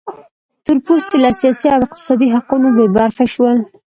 تور پوستي له سیاسي او اقتصادي حقونو بې برخې شول.